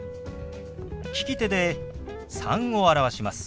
利き手で「３」を表します。